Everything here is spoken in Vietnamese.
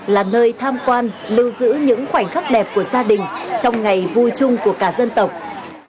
là nơi tham quan lưu giữ những khoảnh khắc đẹp của gia đình trong ngày vui chung của cả dân tộc